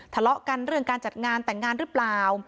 ทะเลาะกันเรื่องการจัดงานแต่งงานหรือเปล่า